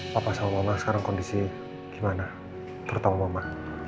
papa sama mama sekarang kondisi gimana terutama mama